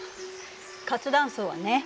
活断層はね